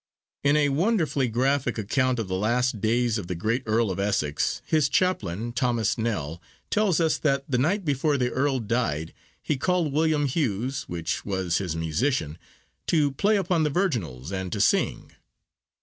In a wonderfully graphic account of the last days of the great Earl of Essex, his chaplain, Thomas Knell, tells us that the night before the Earl died, 'he called William Hewes, which was his musician, to play upon the virginals and to sing.